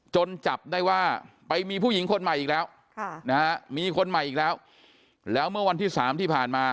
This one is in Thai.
จับได้ว่าไปมีผู้หญิงคนใหม่อีกแล้วมีคนใหม่อีกแล้วแล้วเมื่อวันที่๓ที่ผ่านมา